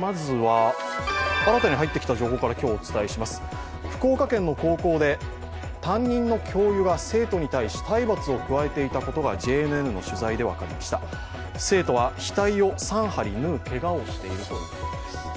まずは新たに入ってきた情報から今日お伝えします、福岡県の高校で担任の教諭が生徒に対し体罰を加えていたことがＪＮＮの取材で分かりました、生徒は額を３針縫うけがをしているということです。